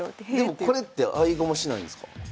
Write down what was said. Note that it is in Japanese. でもこれって合駒しないんですか？